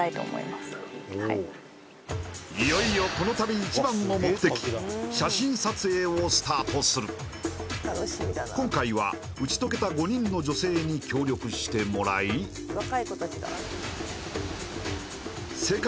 いよいよこの旅一番の目的写真撮影をスタートする今回は打ち解けた５人の女性に協力してもらい世界